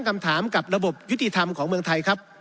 คำถามกับระบบยุติธรรมของเมืองไทยครับ